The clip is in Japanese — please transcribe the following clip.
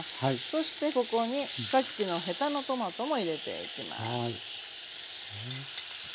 そしてここにさっきのヘタのトマトも入れていきます。